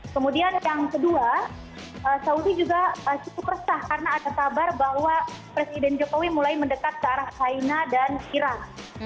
kemudian yang kedua saudi juga cukup resah karena ada kabar bahwa presiden jokowi mulai mendekat ke arah china dan iran